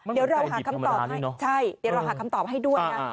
เดี๋ยวเราหาคำตอบให้ด้วยนะ